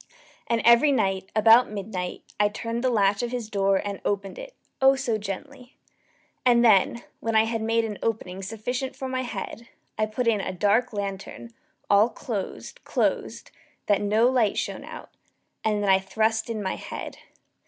And every night, about midnight, I turned the latch of his door and opened it oh so gently! And then, when I had made an opening sufficient for my head, I put in a dark lantern, all closed, closed, that no light shone out, and then I thrust in my head.